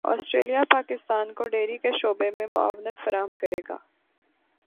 Australia Pakistan کو dairy کے شعبے میں معاونت فراہم کرے گا